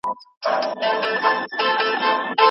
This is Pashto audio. په لومړۍ ورځ چی می ستا سره لیدلي